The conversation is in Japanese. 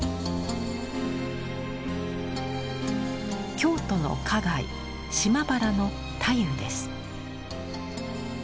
京都の花街島原の太夫です。